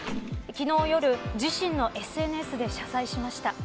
昨日夜自身のＳＮＳで謝罪しました。